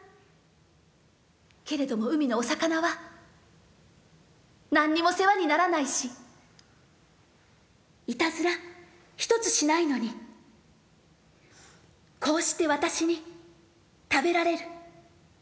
けれども海のおさかなは、なんにも世話にならないし、いたずら一つしないのに、こうして私に食べられる。